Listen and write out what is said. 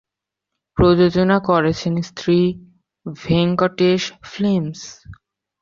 প্রযোজনা করেছেন শ্রী ভেঙ্কটেশ ফিল্মস।